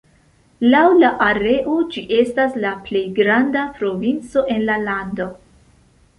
Laŭ la areo ĝi estas la plej granda provinco en la lando.